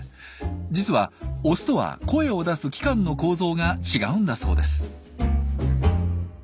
実はオスとは声を出す器官の構造が違うんだそうです。